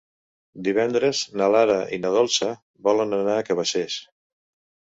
Divendres na Lara i na Dolça volen anar a Cabacés.